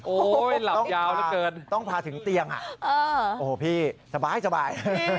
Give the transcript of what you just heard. โอ้โหต้องพาถึงเตียงอ่ะโอ้โหพี่สบาย